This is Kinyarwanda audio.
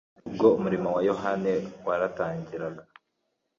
Ubwo umurimo wa Yohana watangiraga,